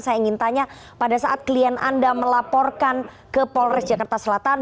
saya ingin tanya pada saat klien anda melaporkan ke polres jakarta selatan